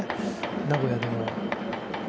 名古屋でも。